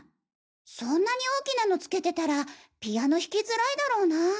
そんなに大きなのつけてたらピアノ弾きづらいだろうなぁ。